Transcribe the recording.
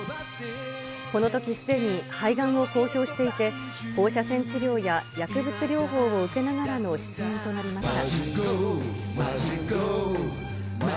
このとき、すでに肺がんを公表していて、放射線治療や薬物療法を受けながらの出演となりました。